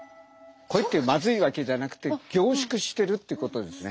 濃いってまずいわけじゃなくて凝縮してるってことですね。